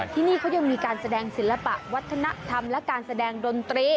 ที่นี่เขายังมีการแสดงศิลปะวัฒนธรรมและการแสดงดนตรี